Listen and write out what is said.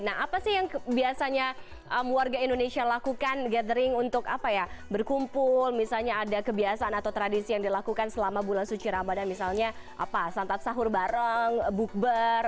nah apa sih yang biasanya warga indonesia lakukan gathering untuk apa ya berkumpul misalnya ada kebiasaan atau tradisi yang dilakukan selama bulan suci ramadan misalnya santap sahur bareng bukber